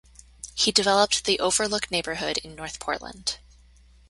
He developed the Overlook neighborhood in North Portland.